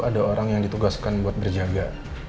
ada orang yang ditugaskan buat berjaga